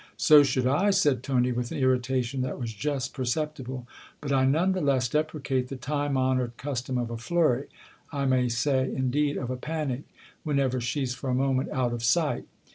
" So should I," said Tony with an irritation that was just perceptible ;" but I none the less deprecate the time honoured custom of a flurry I may say indeed of a panic whenever she's for a moment out of sight."